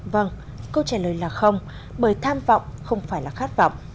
vâng câu trả lời là không bởi tham vọng không phải là khát vọng